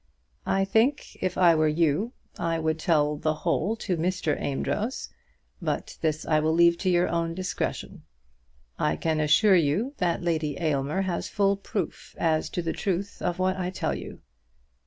I think, if I were you, I would tell the whole to Mr. Amedroz; but this I will leave to your own discretion. I can assure you that Lady Aylmer has full proof as to the truth of what I tell you.